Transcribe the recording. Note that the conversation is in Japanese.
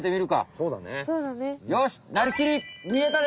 そうだね。